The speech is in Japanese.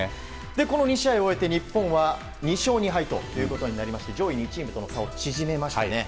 この２試合を終えて日本は２勝２敗となりまして上位２チームとの差は縮まりましたね。